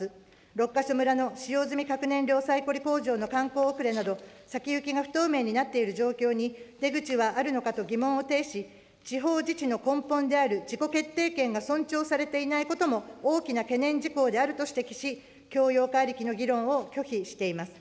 六ケ所村の使用済み核燃料再処理工場の完工遅れなど、先行きが不透明になっている状況に、出口はあるのかと疑問を呈し、地方自治の根本である自己決定権が尊重されていないことも大きな懸念事項であると指摘し、共用化ありきの議論を拒否しています。